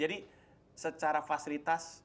jadi secara fasilitas